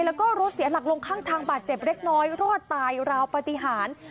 แล้วก็รถเสียหลักลงข้างทางบาดเจ็บเล็กน้อยรอดตายราวปฏิหาร